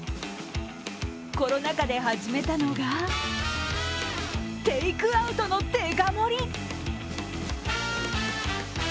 コロナ禍で始めたのがテイクアウトのデカ盛り！